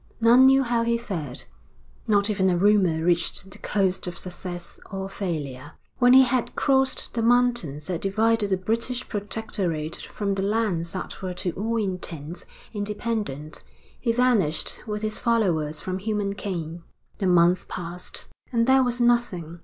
None knew how he fared. Not even a rumour reached the coast of success or failure. When he had crossed the mountains that divided the British protectorate from the lands that were to all intents independent, he vanished with his followers from human ken. The months passed, and there was nothing.